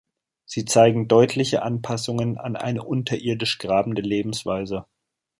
Sie zeigen deutliche Anpassungen an eine unterirdisch grabende Lebensweise.